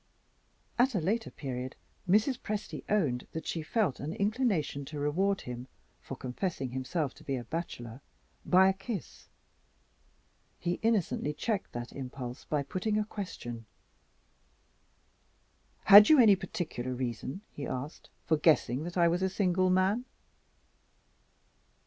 At a later period, Mrs. Presty owned that she felt an inclination to reward him for confessing himself to be a bachelor, by a kiss. He innocently checked that impulse by putting a question. "Had you any particular reason," he asked, "for guessing that I was a single man?"